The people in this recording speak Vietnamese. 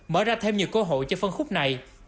mở ra thêm nhiều cơ hội cho phân khúc này